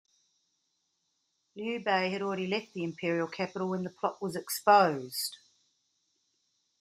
Liu Bei had already left the imperial capital when the plot was exposed.